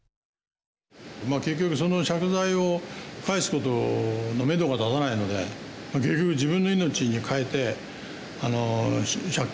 まぁ結局その借財を返すことのめどが立たないので結局自分の命に代えて借金をね